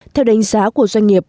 theo đánh giá của doanh nghiệp